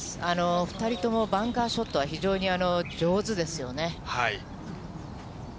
２人ともバンカーショットは非常に上手ですよね。